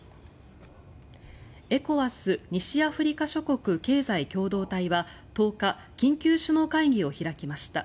ＥＣＯＷＡＳ・西アフリカ諸国経済共同体は１０日緊急首脳会議を開きました。